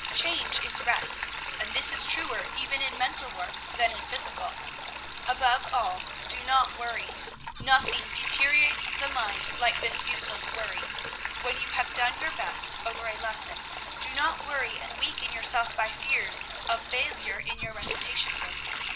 Change is rest; and this is truer even in mental work than in physical. Above all, do not worry. Nothing deteriorates the mind like this useless worry. When you have done your best over a lesson, do not weary and weaken yourself by fears of failure in your recitation room.